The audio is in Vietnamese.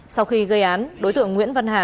sau khi gây án đối tượng nguyễn văn hà